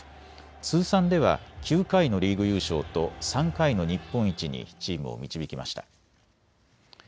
通算では９回のリーグ優勝と３回の日本一にチームを導きました。